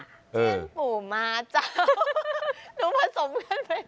เจียนปูมาเจ้าหนูผสมกันไปหมด